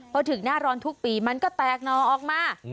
พอถึงหน้าร้อนทุกปีมันก็แตกหน่อออกมา